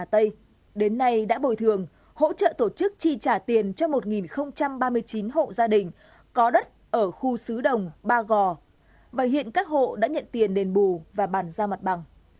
trước tri trả tiền cho một ba mươi chín hộ gia đình có đất ở khu xứ đồng ba gò và hiện các hộ đã nhận tiền đền bù và bàn ra mặt bằng